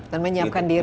dan menyiapkan diri